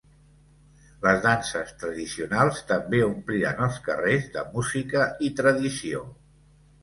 Les danses tradicionals també ompliran els carrers de música i tradició.